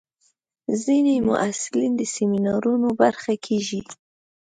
ځینې محصلین د سیمینارونو برخه کېږي.